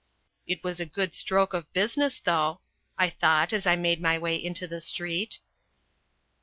" It was a good stroke of business, though !" I thought as I made my way into the street.